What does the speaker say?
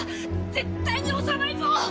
絶対に押さないぞ！